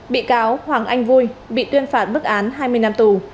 bị cáo hoàng anh vui bị tuyên phạt bức án hai mươi năm tù